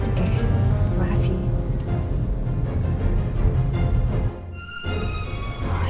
oke terima kasih